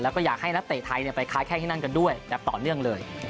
แล้วก็อยากให้นักเตะไทยไปค้าแข้งที่นั่นกันด้วยแบบต่อเนื่องเลย